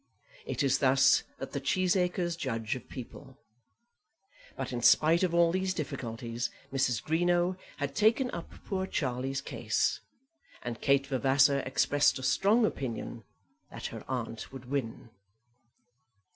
It is thus that the Cheesacres judge of people. But in spite of all these difficulties Mrs. Greenow had taken up poor Charlie's case, and Kate Vavasor expressed a strong opinion that her aunt would win.